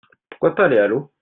Pourquoi pas aller à l'eau ?